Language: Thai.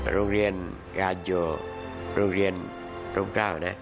โรงเรียนกาโยโรงเรียนทุ่มคราวนะ